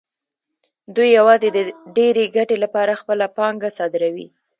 دوی یوازې د ډېرې ګټې لپاره خپله پانګه صادروي